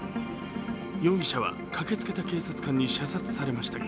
容疑者は駆けつけた警察官に射殺されました。